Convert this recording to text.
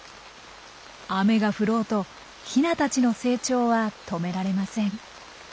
雨が降ろうとヒナたちの成長は止められません。